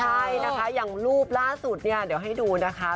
ใช่อย่างรูปสุดนี้เดี๋ยวให้ดูนะคะ